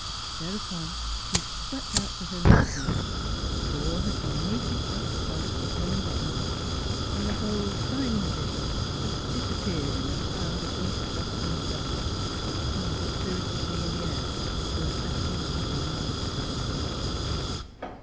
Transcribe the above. Thereupon she had swept out to her limousine : the door had been neatly shut by the footman in buttons ; and the whole shining vision had disappeared in a cloud of East Boston dust, which hung dis piritedly in the air before settling on the grimy little houses.